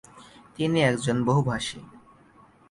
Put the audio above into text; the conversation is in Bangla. তিনি একজন বহুভাষি।